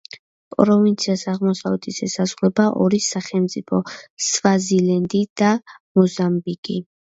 პროვინციას აღმოსავლეთით ესაზღვრება ორი სახელმწიფო სვაზილენდი და მოზამბიკი.